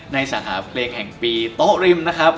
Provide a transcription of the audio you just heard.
สาขาเพลงแห่งปีโต๊ะริมนะครับ